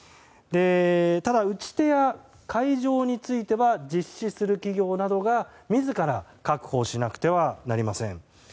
ただ、打ち手や会場については実施する企業などが自ら確保しなくてはなりません。